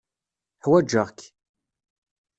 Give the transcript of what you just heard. Ḥwajeɣ-k.